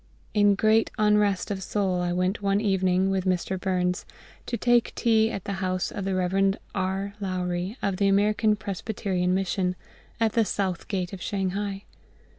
In great unrest of soul I went one evening, with Mr. Burns, to take tea at the house of the Rev. R. Lowrie, of the American Presbyterian Mission, at the South Gate of Shanghai.